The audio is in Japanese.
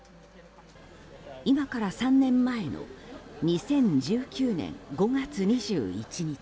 今から３年前の２０１９年５月２１日。